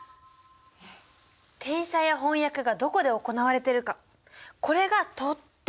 転写や翻訳がどこで行われてるかこれがとっても大事なの！